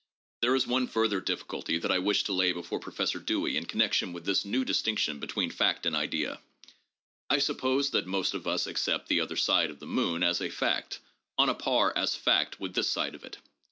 There is one further difficulty that I wish to lay before Professor Dewey in connection with his new distinction between fact and idea. I suppose that most of us accept the other side of the moon as a fact, on a par as fact with this side of it.